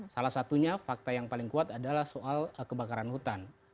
salah satunya fakta yang paling kuat adalah soal kebakaran hutan